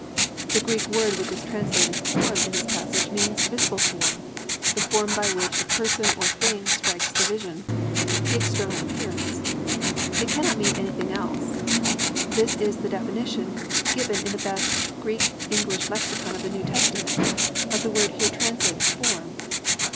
The Greek word which is translated "form" in this passage means "visible form," "the form by which a person or thing strikes the vision," "the external appearance." It cannot mean anything else. This is the definition given in the best Greek English lexicon of the New Testament, of the word here translated "form."